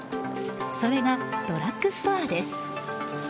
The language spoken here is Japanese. それがドラッグストアです。